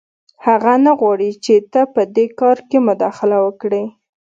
هغه نه غواړي چې ته په دې کار کې مداخله وکړې